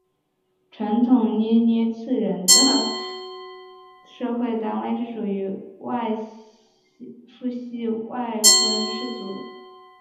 传统涅涅茨人的社会单位是属于父系外婚氏族。